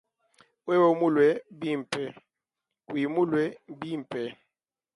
Wewa mulue bimpe kuyi mulue bimpe.